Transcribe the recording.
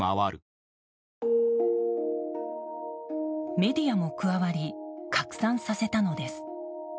メディアも加わり拡散させたのです。